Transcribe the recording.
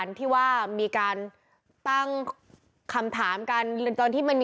ริงว่ามันจริงไม่จริงอะไรยังไงแบบไหน